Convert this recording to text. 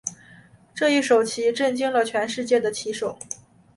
这一手棋震惊了全世界的棋手。